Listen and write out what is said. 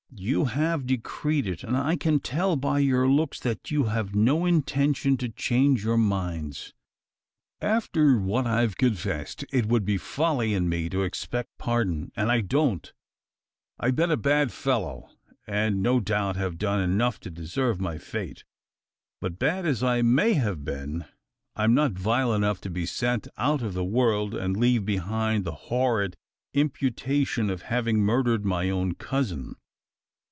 "You have decreed it; and I can tell by your looks you have no intention to change your minds. "After what I've confessed, it would be folly in me to expect pardon; and I don't. I've been a bad fellow; and no doubt have done enough to deserve my fate. But, bad as I may have been, I'm not vile enough to be sent out of the world, and leave behind me the horrid imputation of having murdered my own cousin.